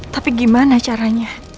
tapi gimana caranya